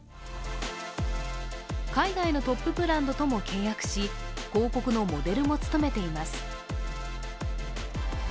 海外のトップブランドとも契約し広告のモデルも務めています。